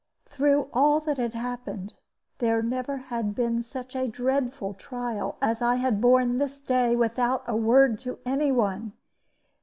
Through all that had happened, there never had been such a dreadful trial as I had borne this day without a word to any one.